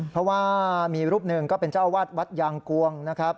เพราะว่ามีรูปหนึ่งก็เป็นเจ้าวาดวัดยางกวงนะครับ